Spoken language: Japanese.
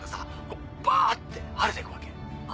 こうバって晴れてくわけ。